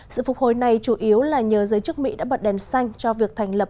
sự phục hồi này chủ yếu là nhờ giới chức mỹ đã bật đèn xanh cho việc thành lập